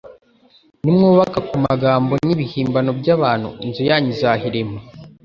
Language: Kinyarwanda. Nimwubaka ku magambo n'ibihimbano by'abantu, inzu yanyu izahirima.